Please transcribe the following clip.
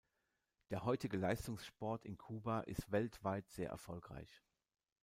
Der heutige Leistungssport in Kuba ist weltweit sehr erfolgreich.